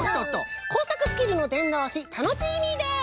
こうさくスキルのでんどうしタノチーミーです！